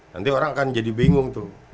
nanti orang akan jadi bingung tuh